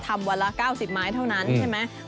วันละ๙๐ไม้เท่านั้นใช่ไหม